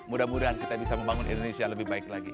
mudah mudahan kita bisa membangun indonesia lebih baik lagi